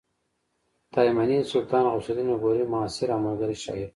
تایمني د سلطان غیاث الدین غوري معاصر او ملګری شاعر و